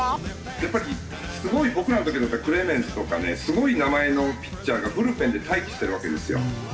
やっぱりすごい僕らの時だったらクレメンスとかねすごい名前のピッチャーがブルペンで待機してるわけですよ。